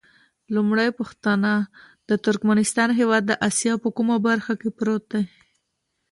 لومړۍ پوښتنه: د ترکمنستان هېواد د اسیا په کومه برخه کې پروت دی؟